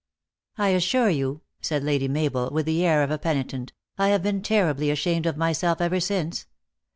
" I assure you," said Lady Mabel, with the air of a penitent, " I have been terribly ashamed of myself ever since.